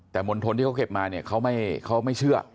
แต่มณฑลที่เขาเก็บมาเนี่ยเขาไม่เชื่อ